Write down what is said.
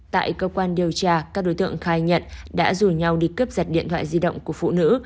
tại cơ quan điều tra các đối tượng khai nhận đã rủ nhau đi cướp giật điện thoại di động của phụ nữ